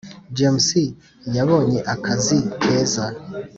James yabonye akazi keza